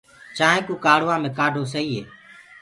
چآنٚينٚ ڪوُ ڪآڙهوآ مينٚ ڪآڍو سئي هي۔